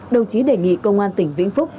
đồng chí đề nghị công an tỉnh vĩnh phúc